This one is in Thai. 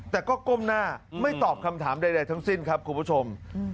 แต่ก็ก้มหน้าไม่ตอบคำถามใดทั้งสิ้นครับคุณผู้ชม